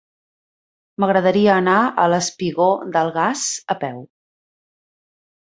M'agradaria anar al espigó del Gas a peu.